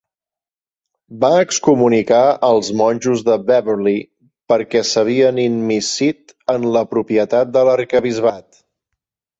Va excomunicar als monjos de Beverley perquè s'havien immiscit en la propietat de l'arquebisbat.